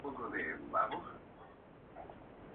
Serán estos años de creación más intensos.